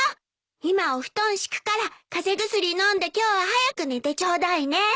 今お布団敷くから風邪薬飲んで今日は早く寝てちょうだいね。